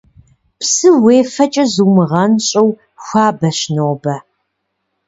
Псы уефэкӏэ зумыгъэнщӏыу хуабэщ нобэ.